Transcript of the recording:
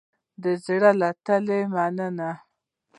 د زړه له تله مننه